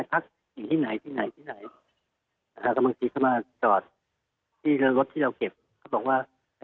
เราอาจจะได้ยินสัญญาณไม่ค่อยชัดเจนด้วยฉะนั้นลองถามย้ำคุณพ่อนะ